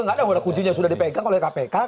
nggak ada kuncinya sudah dipegang oleh kpk